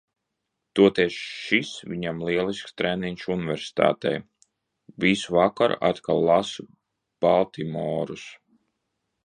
Toties šis viņam lielisks treniņš universitātei. Visu vakaru atkal lasu "Baltimorus".